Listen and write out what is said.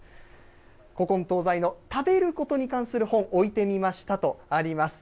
古今東西の食べることに関する本、置いてみましたとあります。